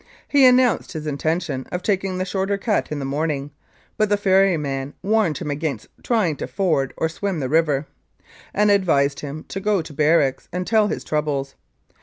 He announced his in tention of taking the shorter cut in the morning, but the ferryman warned him against trying to ford or swim the river, and advised him to go to barracks and tell his troubles.